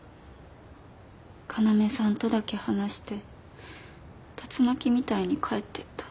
要さんとだけ話して竜巻みたいに帰ってった。